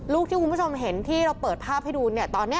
ลูกที่คุณผู้ชมเห็นที่เราเปิดภาพให้ดูเนี่ยตอนนี้